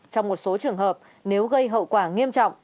trong một số trường hợp nếu gây hậu quả nghiêm trọng